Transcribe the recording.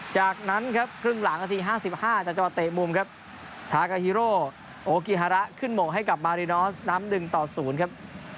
จากนั้นครับครึ่งหลังนาที๕๕จากจังหวัดเตะมุมครับทากาฮีโรโอกิฮาระขึ้นหมกให้กับมารินอสน้ำ๑ต่อ๐ครับ